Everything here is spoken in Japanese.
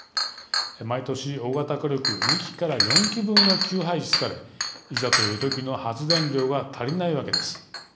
毎年、大型火力２機から４機分が休廃止されいざというときの発電量が足りないわけです。